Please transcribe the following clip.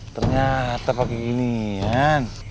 ternyata pake gini kan